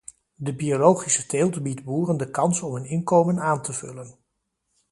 De biologische teelt biedt boeren de kans om hun inkomen aan te vullen.